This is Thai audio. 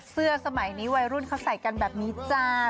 สมัยนี้วัยรุ่นเขาใส่กันแบบนี้จ้า